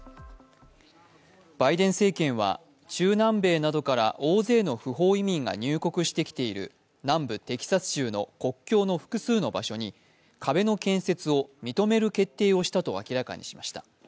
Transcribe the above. バイデン政権は中南米などから大勢の不法移民が入国してきている南部テキサス州の国境の複数の場所に壁の建設を認める決定をしたと明らかにしました。